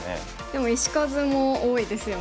でも石数も多いですよね。